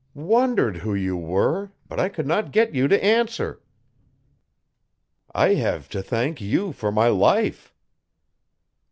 'Wondered who you were, but I could not get you to answer. I have to thank you for my life.